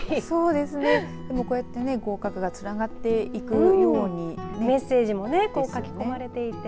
でもこうやって合格がつながっていくようにメッセージもね書き込まれていて。